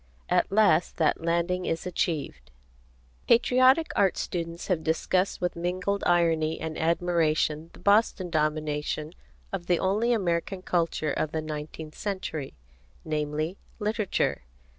At last that landing is achieved. Patriotic art students have discussed with mingled irony and admiration the Boston domination of the only American culture of the nineteenth century, namely, literature.